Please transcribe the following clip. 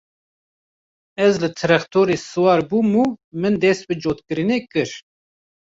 Ez li trextorê siwar bûm û min dest bi cotkirinê kir.